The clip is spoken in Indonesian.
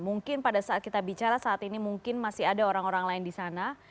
mungkin pada saat kita bicara saat ini mungkin masih ada orang orang lain di sana